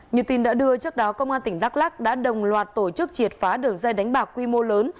như tin đã đưa trước đó công an tỉnh đắk lắc đã đồng loạt tổ chức triệt phá đường dây đánh bạc quy mô lớn